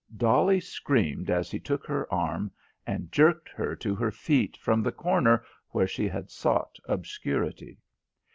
Dolly screamed as he took her arm and jerked her to her feet from the corner where she had sought obscurity.